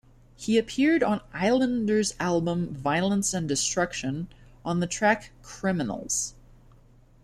He appeared on Islander's album, "Violence and Destruction" on the track, "Criminals".